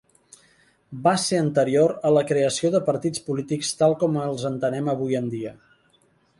Va ser anterior a la creació de partits polítics tal com els entenem avui dia.